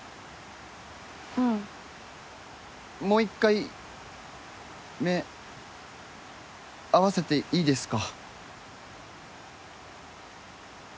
うんもう一回目合わせていいですか？